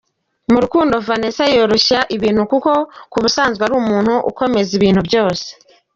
Mu rukundo, Vanessa yoroshya ibintu kuko ku busanzwe ari umuntu ukomeza ibintu byose.